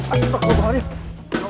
aduh kebawah dia